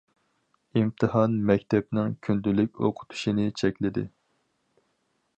ئىمتىھان مەكتەپنىڭ كۈندىلىك ئوقۇتۇشىنى‹‹ چەكلىدى››.